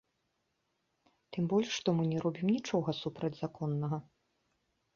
Тым больш, што мы не робім нічога супрацьзаконнага.